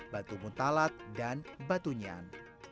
batu muntalat dan batu nyan